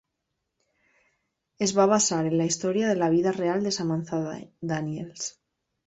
Es va basar en la història de la vida real de Samantha Daniels.